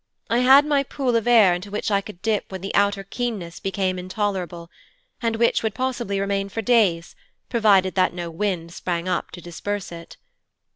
I had my pool of air, into which I could dip when the outer keenness became intolerable, and which would possibly remain for days, provided that no wind sprang up to disperse it.